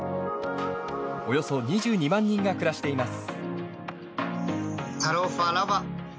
およそ２２万人が暮らしています。